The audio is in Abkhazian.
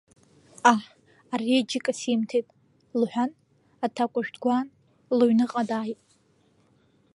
Ҟаҳ, ари аџьыка симҭеит, — лҳәан аҭакәажә дгәаан, лыҩныҟа дааит.